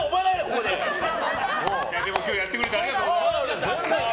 でも今日やってくれてありがとうございました。